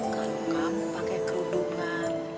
kalau kamu pakai kerudungan